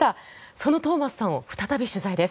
そのトーマスさんを再び取材です。